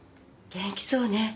元気そうね。